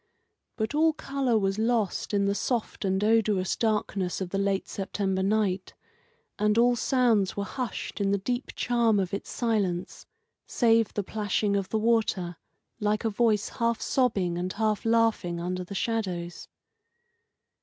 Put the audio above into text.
But all colour was lost in the soft and odorous darkness of the late September night, and all sounds were hushed in the deep charm of its silence, save the plashing of the water, like a voice half sobbing and half laughing under the shadows.